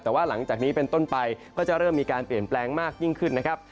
แต่ว่าหลังจากนี้เป็นต้นไปก็จะเริ่มมีการเปลี่ยนแปลงมากยิ่งขึ้นนะครับ